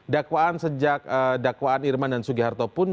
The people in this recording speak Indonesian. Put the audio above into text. dakwaan sejak dakwaan irman dan sugiharto pun